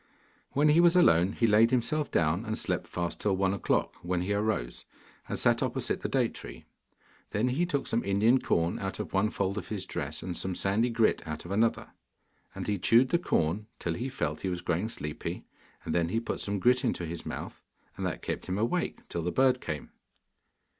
When he was alone, he laid himself down and slept fast till one o'clock, when he arose, and sat opposite the date tree. Then he took some Indian corn out of one fold of his dress, and some sandy grit out of another. And he chewed the corn till he felt he was growing sleepy, and then he put some grit into his mouth, and that kept him awake till the bird came.